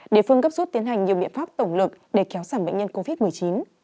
địa phương gấp rút tiến hành nhiều biện pháp tổng lực để kéo giảm bệnh nhân covid một mươi chín